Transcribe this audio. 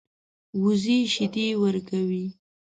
وزې شیدې ورکوي